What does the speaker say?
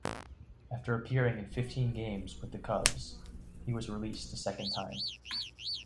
After appearing in fifteen games with the Cubs, he was released a second time.